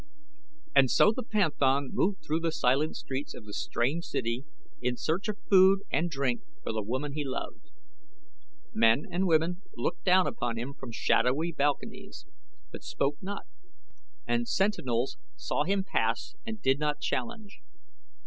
And so the panthan moved through the silent streets of the strange city in search of food and drink for the woman he loved. Men and women looked down upon him from shadowy balconies, but spoke not; and sentinels saw him pass and did not challenge.